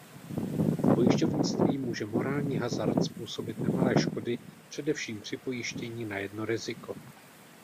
V pojišťovnictví může morální hazard způsobit nemalé škody především při pojištění na jedno riziko.